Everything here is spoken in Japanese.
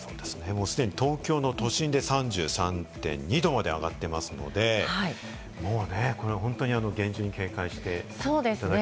すでに東京の都心で３３．２℃まで上がってますので、もうね、これね、厳重に警戒していただきたいですね。